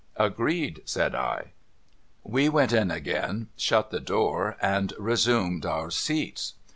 ' Agreed,' said I. We went in again, shut the door, and resumed our seats.